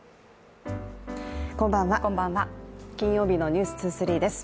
こんばんは、金曜日の「ｎｅｗｓ２３」です。